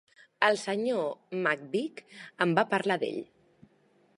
el Sr McVeigh em va parlar d'ell.